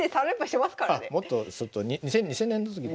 あもっと２０００年の時の。